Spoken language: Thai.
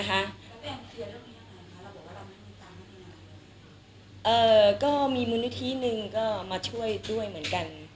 นะคะเอ่อก็มีมนุษย์หนึ่งก็มาช่วยด้วยเหมือนกัน